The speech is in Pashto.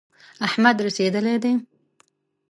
احمد رسېدلی دی.